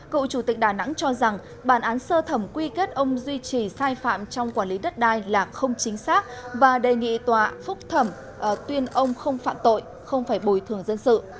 cựu chủ tịch đà nẵng cho rằng bản án sơ thẩm quy kết ông duy trì sai phạm trong quản lý đất đai là không chính xác và đề nghị tòa phúc thẩm tuyên ông không phạm tội không phải bồi thường dân sự